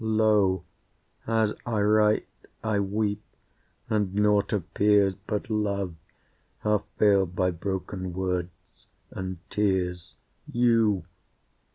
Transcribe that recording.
Lo! as I write I weep, and nought appears But Love, half veiled by broken words and tears. You!